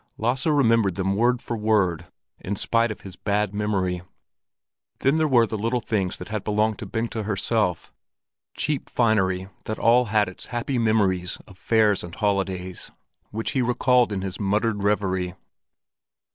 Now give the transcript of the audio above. Lasse remembered them word for word, in spite of his bad memory. Then there were little things that had belonged to Bengta herself, cheap finery that all had its happy memory of fairs and holidays, which he recalled in his muttered reverie.